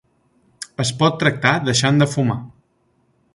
Es pot tractar deixant de fumar.